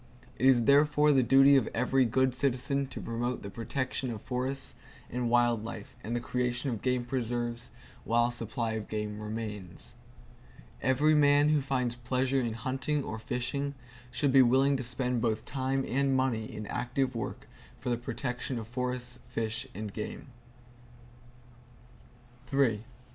It is therefore the duty of every good citizen to promote the protection of forests and wild life and the creation of game preserves, while a supply of game remains. Every man who finds pleasure in hunting or fishing should be willing to spend both time and money in active work for the protection of forests, fish and game.